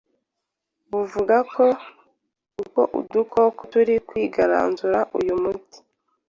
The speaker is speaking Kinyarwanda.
buvuga ko uko utu dukoko turi kwigaranzura uyu muti